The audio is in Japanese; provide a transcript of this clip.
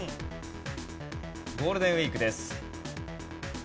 ゴールデンウィークです。